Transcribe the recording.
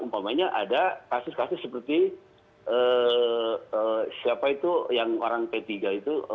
umpamanya ada kasus kasus seperti siapa itu yang orang p tiga itu